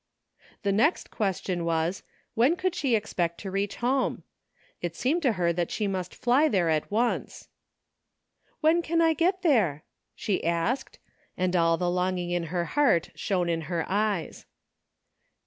The next question was, when could she ex pect to reach home ? It seemed to her that she must fly there at once. 76 A NEW FRIEND. " When can I get there ?" she asked, and all the longing of her heart shone in her eyes.